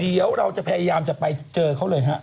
เดี๋ยวเราจะพยายามจะไปเจอเขาเลยฮะ